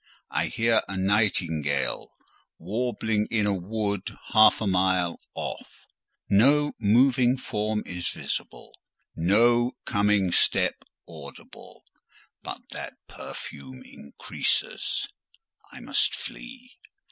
I hear a nightingale warbling in a wood half a mile off; no moving form is visible, no coming step audible; but that perfume increases: I must flee.